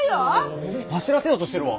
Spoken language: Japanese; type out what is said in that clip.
パシらせようとしてるわ。